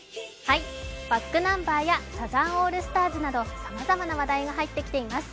ｂａｃｋｎｕｍｂｅｒやサザンオールスターズなどさまざまな話題が入ってきています。